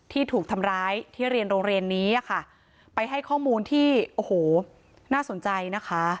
ที่ถูกทำร้ายที่เรียนโรงเรียนนี้ค่ะไปให้ข้อมูลที่โอ้โหน่าสนใจนะคะ